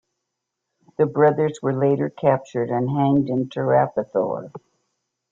The brothers were later captured and hanged in Tirupathoor.